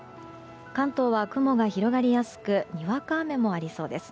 関東は雲が広がりやすくにわか雨もありそうです。